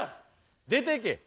出てけ。